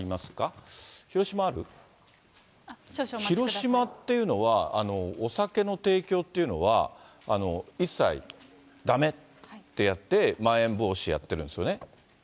広島っていうのは、お酒の提供っていうのは、一切だめってやって、まん延防止やってるんですよね。